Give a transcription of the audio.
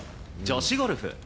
女子ゴルフ。